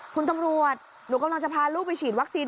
คุณตำรวจหนูกำลังจะพาลูกไปฉีดวัคซีน